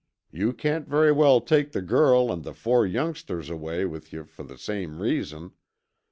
You can't very well take the girl and the four youngsters away with you for the same reason.